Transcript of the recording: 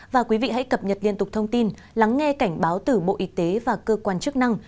và quý vị hãy cập nhật liên tục thông tin lắng nghe cảnh báo từ bộ y tế và cơ quan chức năng